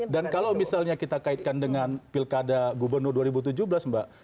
dan kalau misalnya kita kaitkan dengan pilkada gubernur dua ribu tujuh belas mbak